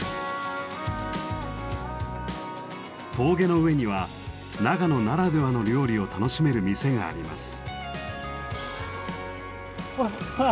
峠の上には長野ならではの料理を楽しめる店があります。